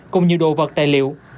cùng nhiều đồ vật tài liệu